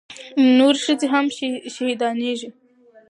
نورې ښځې هم شهيدانېږي.